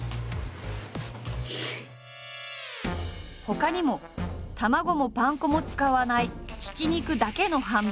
ほかにも卵もパン粉も使わないひき肉だけのハンバーグ。